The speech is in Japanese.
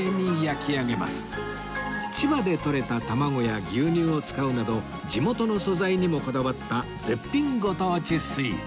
千葉でとれた卵や牛乳を使うなど地元の素材にもこだわった絶品ご当地スイーツ